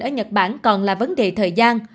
ở nhật bản còn là vấn đề thời gian